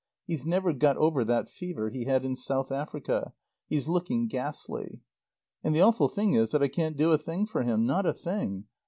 He's never got over that fever he had in South Africa. He's looking ghastly. And the awful thing is that I can't do a thing for him. Not a thing.